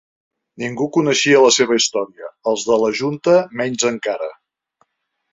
Ningú coneixia la seva història, els de la Junta menys encara.